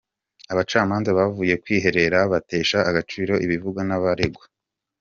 Abacamanza bavuye kwiherera batesha agaciro ibivugwa n’abaregwa